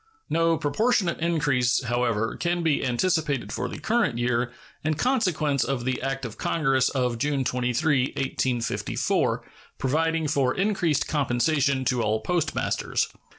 No proportionate increase, however, can be anticipated for the current year, in consequence of the act of Congress of June 23, 1854, providing for increased compensation to all postmasters.